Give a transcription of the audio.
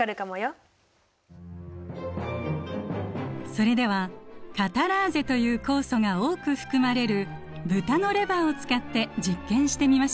それではカタラーゼという酵素が多く含まれるブタのレバーを使って実験してみましょう。